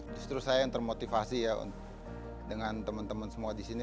justru saya yang termotivasi ya dengan teman teman semua di sini